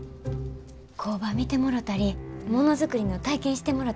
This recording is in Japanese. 工場見てもろたりものづくりの体験してもろたり。